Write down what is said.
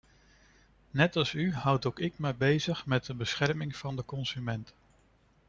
Net als u houd ook ik mij bezig met de bescherming van de consument.